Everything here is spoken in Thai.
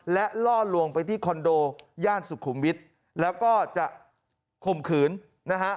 และล่อลวงไปที่คอนโดย่านสุขุมวิทย์แล้วก็จะข่มขืนนะฮะ